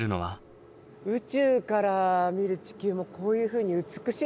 宇宙から見る地球もこういうふうに美しいんですかね。